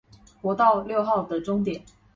國道六號的終點